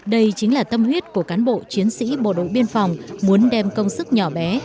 đây chính là tâm huyết của cán bộ chiến sĩ bộ đội biên phòng muốn đem công sức nhỏ bé